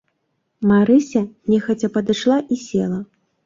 Марыся нехаця падышла і села.